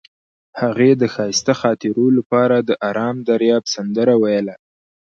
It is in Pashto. هغې د ښایسته خاطرو لپاره د آرام دریاب سندره ویله.